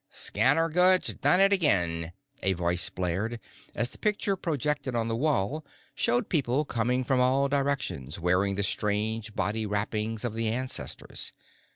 "Scattergood's does it again!" a voice blared, as the picture projected on the wall showed people coming from all directions, wearing the strange body wrappings of the ancestors.